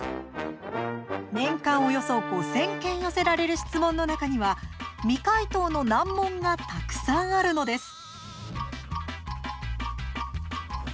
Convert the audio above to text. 年間およそ５０００件寄せられる質問の中には未回答の難問がたくさんあるのです。